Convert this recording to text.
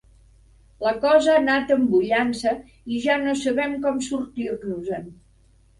La cosa ha anat embullant-se i ja no sabem com sortir-nos-en!